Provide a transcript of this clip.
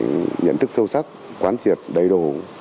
phải nhận thức sâu sắc quán triệt đầy đủ